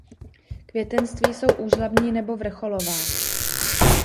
Květenství jsou úžlabní nebo vrcholová.